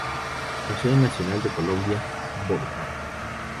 Museo Nacional de Colombia, Bogotá.